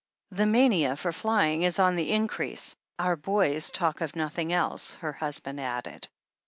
"The mania for flying is on the increase. Our boys talk of nothing else," her husband added.